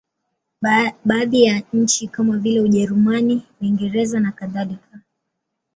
Baadhi ya nchi kama vile Ujerumani, Uingereza nakadhalika.